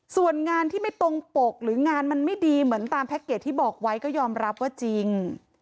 ส่วนงานที่ไม่ตรงปกหรืองานมันไม่ดีเหมือนตามแพ็คเกจที่บอกไว้ก็ยอมรับว่าจริง